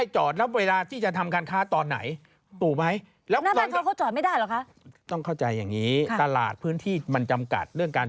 ตามข่าวเค้าจอดหน้าบ้านเค้านะ